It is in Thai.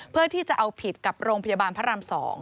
เพื่อที่จะเอาผิดกับโรงพยาบาลพระราม๒